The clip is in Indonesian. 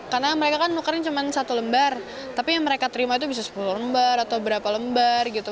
karena mereka kan nukernya cuma satu lembar tapi yang mereka terima itu bisa sepuluh lembar atau berapa lembar gitu